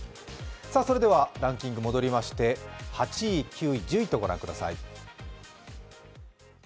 ランキング戻りまして８位、９位、１０位と御覧ください。